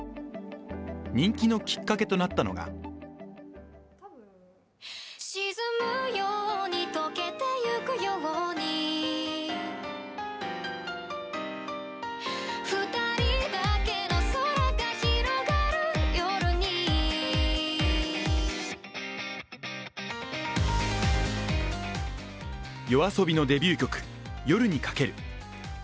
人気のきっかけとなったのがＹＯＡＳＯＢＩのデビュー曲「夜に駆ける」。